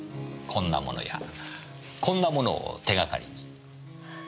こんなものやこんなものを手掛かりに。